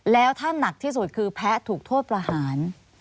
แล้วถ้าหนักที่สุดคือแพ้ถูกโทษประหาร